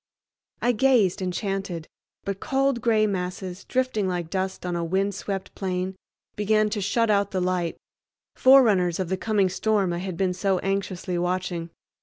I gazed enchanted, but cold gray masses, drifting like dust on a wind swept plain, began to shut out the light, forerunners of the coming storm I had been so anxiously watching.